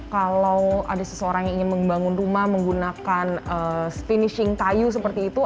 kalau ada seseorang yang ingin membangun rumah menggunakan sfinishing kayu seperti itu